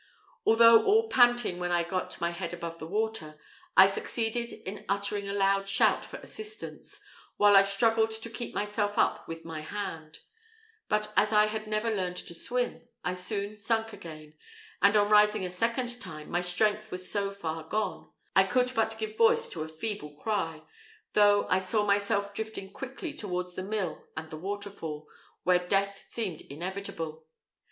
Although all panting when I got my head above the water, I succeeded in uttering a loud shout for assistance, while I struggled to keep myself up with my hand; but as I had never learned to swim, I soon sunk again, and on rising a second time, my strength was so far gone, I could but give voice to a feeble cry, though I saw myself drifting quickly towards the mill and the waterfall, where death seemed inevitable.